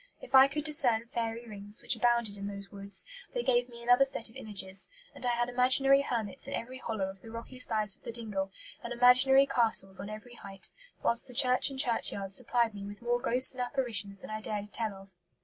If I could discern fairy rings, which abounded in those woods, they gave me another set of images; and I had imaginary hermits in every hollow of the rocky sides of the dingle, and imaginary castles on every height; whilst the church and churchyard supplied me with more ghosts and apparitions than I dared to tell of."